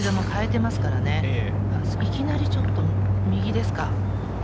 いきなりちょっと右ですか。